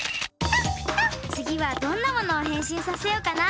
つぎはどんなものをへんしんさせようかな。